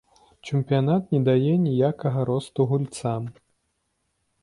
Чэмпіянат не дае ніякага росту гульцам.